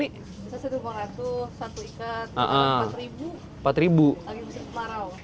biasanya dua ratus satu ikat